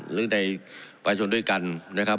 หรือในประชนด้วยกันนะครับ